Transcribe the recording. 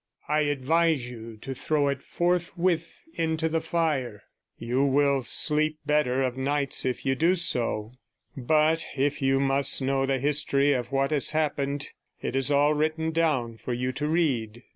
I advise you to throw it forthwith into the fire; you will sleep better of nights if you do so. But if 71 you must know the history of what has happened, it is all written down for you to read.'